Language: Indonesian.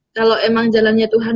kalau emang jalannya tuhan